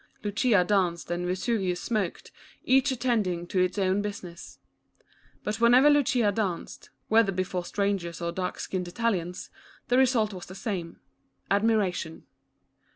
Lucia danced and Vesuvius smoked, each attending to its own business. But whenever Lucia danced, whether before strangers or dark skinned Italians, the result was the same — admiration.